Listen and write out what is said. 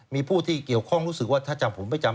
มีผู้ที่เกี่ยวข้องรู้สึกว่าถ้าจำผมไม่จำ